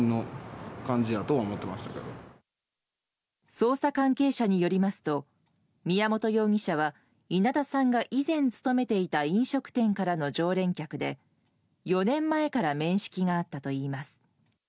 捜査関係者によりますと宮本容疑者は稲田さんが以前勤めていた飲食店からの常連客で４年前から面識があったといいます。